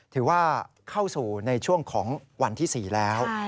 ถือว่าเข้าสู่ในช่วงของวันที่๔แล้ว